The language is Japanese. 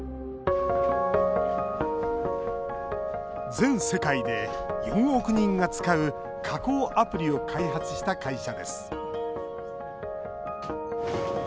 全世界で４億人が使う加工アプリを開発した会社です